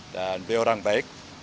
dan jadi orang baik